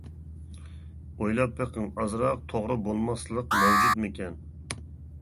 ئويلاپ بېقىڭ، ئازراق توغرا بولماسلىق مەۋجۇتمىكەن.